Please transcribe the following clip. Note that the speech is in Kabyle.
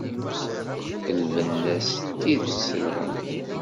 Lbenna-s d tidet telha!